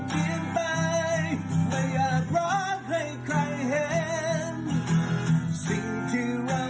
ที่จะชาติไปทั้งแม่งตา